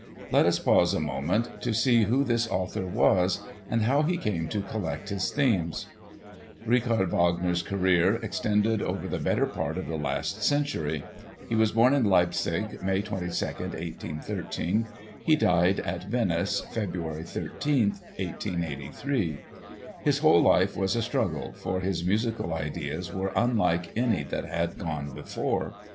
Let us pause a moment to see who this author was, and how he came to collect his themes. Richard Wagner's career extended over the better part of the last century. He was born at Leipzig, May 22, 1813; he died at Venice, February 13, 1883. His whole life was a struggle, for his musical ideas were unlike any that had gone before.